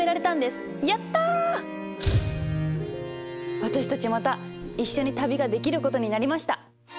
私たちまた一緒に旅ができることになりました